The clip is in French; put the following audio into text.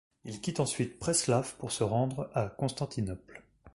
Il quitte ensuite Preslav pour se rendre à Constantinople.